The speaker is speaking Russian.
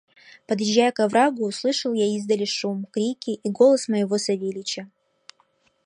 Подъезжая к оврагу, услышал я издали шум, крики и голос моего Савельича.